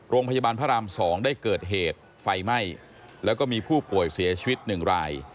โรงพยาบาลพระราม๒ได้เกิดเหตุไฟไหม้แล้วก็มีผู้ป่วยเสียชีวิต๑ราย